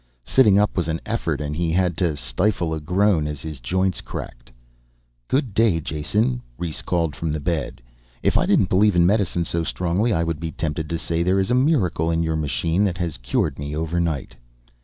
Sitting up was an effort and he had to stifle a groan as his joints cracked. "Good day, Jason," Rhes called from the bed. "If I didn't believe in medicine so strongly, I would be tempted to say there is a miracle in your machine that has cured me overnight."